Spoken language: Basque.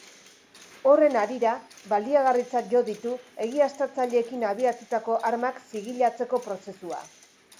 Horren harira, baliagarritzat jo ditu egiaztatzaileekin abiatutako armak zigilatzeko prozesua.